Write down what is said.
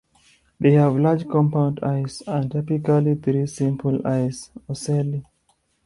They have large compound eyes, and typically three simple eyes, ocelli.